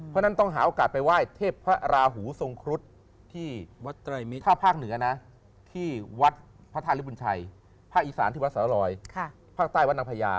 ภาคอีสานที่วัดสระลอยภาคใต้วัดนักพยา